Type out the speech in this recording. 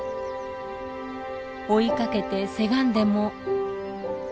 追いかけてせがんでも。